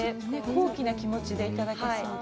高貴な気持ちでいただけそうで。